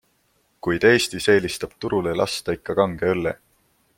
Kuid Eestis eelistab turule lasta ikka kange õlle.